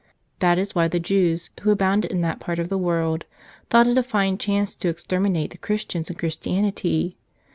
That is why the Jews, who abounded in that part of the world, thought it a fine chance to exterminate the Christians and Christianity.